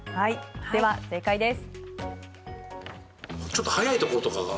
では正解です。